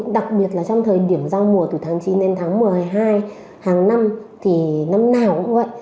đặc biệt là trong thời điểm giao mùa từ tháng chín đến tháng một mươi hai hàng năm thì năm nào cũng vậy